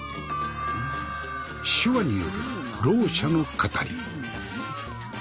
「手話」によるろう者の語り。